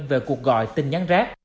về cuộc gọi tin nhắn rác